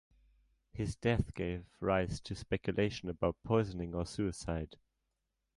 His death gave rise to speculation about poisoning or suicide.